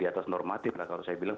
itu harus normatif lah kalau saya bilang